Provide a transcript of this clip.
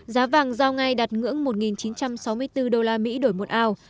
giá vàng giao ngay đạt ngưỡng một chín trăm sáu mươi bốn usd đổi một ảo